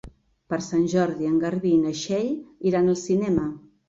Per Sant Jordi en Garbí i na Txell iran al cinema.